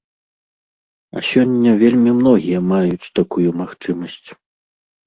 А сёння вельмі многія маюць такую магчымасць.